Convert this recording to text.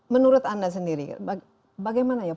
menurut anda sendiri bagaimana ya